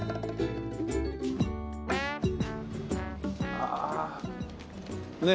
ああねっ。